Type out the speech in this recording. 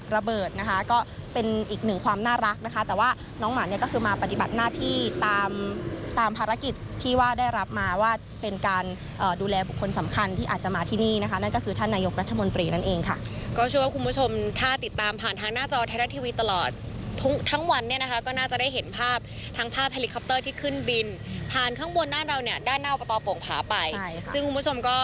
ระเบิดนะคะก็เป็นอีกหนึ่งความน่ารักนะคะแต่ว่าน้องหมาเนี่ยก็คือมาปฏิบัติหน้าที่ตามตามภารกิจที่ว่าได้รับมาว่าเป็นการดูแลบุคคลสำคัญที่อาจจะมาที่นี่นะคะนั่นก็คือท่านนายกรัฐมนตรีนั่นเองค่ะก็ชัวร์คุณผู้ชมถ้าติดตามผ่านทางหน้าจอไทยรัฐทีวีตลอดทั้งวันเนี่ยนะคะก็น่าจะได้เห็นภาพทางภ